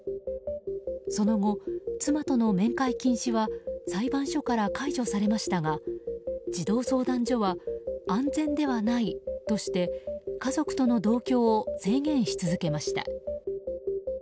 その後、妻との面会禁止は裁判所から解除されましたが児童相談所は安全ではないとして家族との同居を制限し続けました。